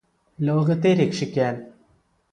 ലോകത്തെ രക്ഷിക്കാന്